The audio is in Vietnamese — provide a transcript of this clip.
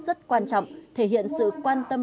rất quan trọng thể hiện sự quan tâm